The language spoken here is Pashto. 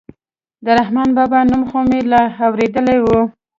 د رحمان بابا نوم خو مې لا اورېدلى و.